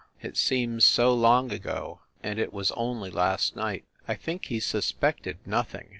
It seems so long ago and it was only last night! I think he suspected nothing.